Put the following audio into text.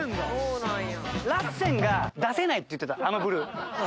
ラッセンが出せないって言ってた、あのブルー。